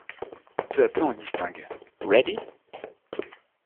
Peu à peu, on distingue :" Ready !…